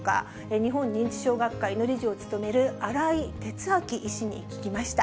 日本認知症学会の理事を務める新井哲明医師に聞きました。